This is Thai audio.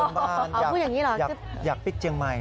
กึ้ดเติมบ้านอยากปิ๊กเจียงใหม่